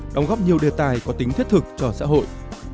đóng góp nhiều đề tài có tính thiết thực cho xã hội